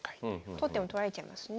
取っても取られちゃいますね。